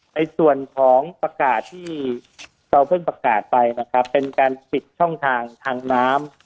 ในส่วนของประกาศที่เราเพิ่งประกาศไปนะครับเป็นการปิดช่องทางทางน้ำ